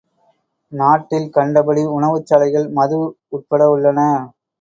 நாட்டில் கண்டபடி உணவுச் சாலைகள், மது உட்பட உள்ளன.